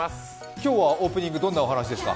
今日はオープニング、どんなお話ですか？